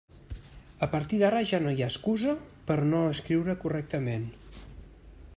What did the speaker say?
A partir d'ara ja no hi ha excusa per a no escriure correctament.